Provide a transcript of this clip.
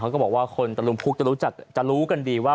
เขาก็บอกว่าคนดรพลุกจะรู้กันดีว่า